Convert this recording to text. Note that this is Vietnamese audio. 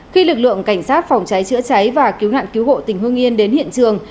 khi lực lượng cảnh sát phòng cháy chữa cháy và cứu nạn cứu hộ tỉnh hương yên đến hiện trường